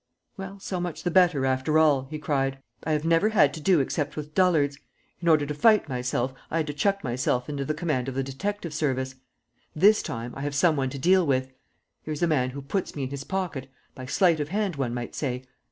"Well, so much the better, after all!" he cried. "I have never had to do except with dullards. ... In order to fight myself, I had to chuck myself into the command of the detective service. ... This time, I have some one to deal with! ... Here's a man who puts me in his pocket ... by sleight of hand, one might say.